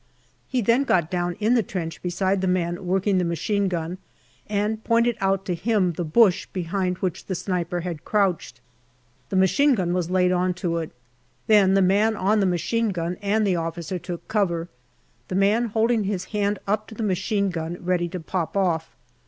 He then got down in the trench beside the man working the machine gun, and pointed out to him the bush behind which the sniper had crouched. The machine gun was laid on to it. Then the man on the machine gun and the officer took cover, the man holding his hand up to the machine gun ready to pop off.